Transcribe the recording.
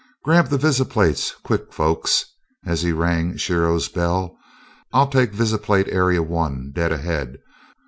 Grab the visiplates quick, folks," as he rang Shiro's bell. "I'll take visiplate area one, dead ahead.